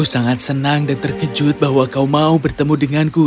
aku sangat senang dan terkejut bahwa kau mau bertemu dengan aku